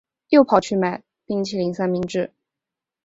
又跑去买冰淇淋三明治